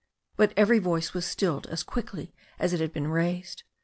But every voice was stilled as quickly as it had been raised.